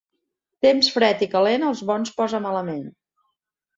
Temps fred i calent, els bons posa malament.